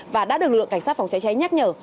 và đã được lực lượng cảnh sát phòng cháy cháy nhắc nhở